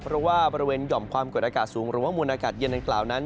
เพราะว่าบริเวณหย่อมความกดอากาศสูงหรือว่ามูลอากาศเย็นดังกล่าวนั้น